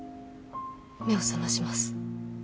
目を覚まします。